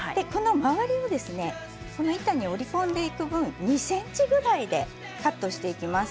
周りを板に折り込んでいく分２ｃｍぐらいでカットしていきます。